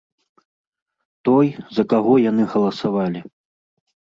Той, за каго яны галасавалі.